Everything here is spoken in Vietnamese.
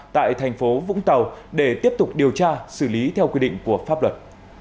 tại thành phố vũng tàu để tiếp tục điều tra xử lý theo quy định của pháp luật